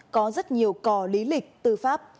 có rất nhiều cò lý lịch tư pháp